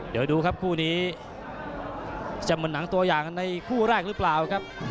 เดี๋ยวดูครับคู่นี้จะเหมือนหนังตัวอย่างในคู่แรกหรือเปล่าครับ